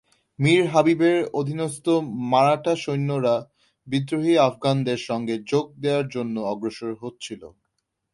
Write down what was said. মীর হাবিবের অধীনস্থ মারাঠা সৈন্যরা বিদ্রোহী আফগানদের সঙ্গে যোগ দেয়ার জন্য অগ্রসর হচ্ছিল।